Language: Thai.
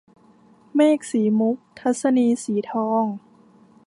เมฆสีมุก - ทัศนีย์ สีทอง